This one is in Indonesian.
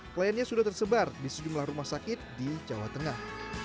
kliennya sudah tersebar di sejumlah rumah sakit di jawa tengah